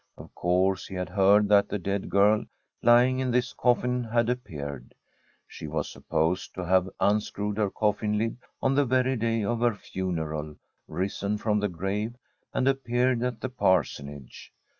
Of course he had heard that the dead girl lying in this coffin had appeared. She was supposed to have unscrewed her coffin lid on the very day of her funeral, risen from the grave, and appeared at the Parsonage.